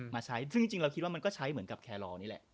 มาใช้ซึ่งจริงเราคิดว่ามันก็ใช้เหมือนกับแครอนี่แหละ